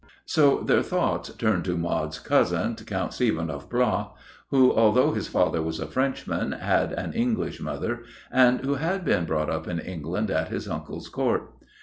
So their thoughts turned to Maud's cousin, Count Stephen of Blois, who, although his father was a Frenchman, had an English mother, and who had been brought up in England at his uncle's Court.